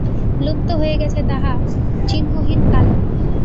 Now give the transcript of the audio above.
লুপ্ত হয়ে গেছে তাহা চিহ্নহীন কালে।